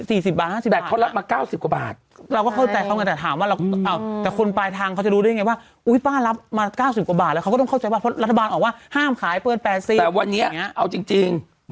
อีกสี่สิบบาทห้าสิบบาทแต่เขารับมาเก้าสิบกว่าบาทเราก็เข้าใจเข้ามาแต่ถามว่าเราอืม